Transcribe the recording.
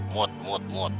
mut mut mut